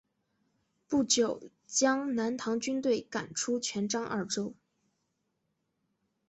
不久将南唐军队赶出泉漳二州。